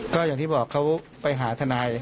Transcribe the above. ก็อย่างที่บอกเขาไปหาทนาย